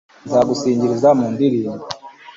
nzagusingiriza mu ndirimbo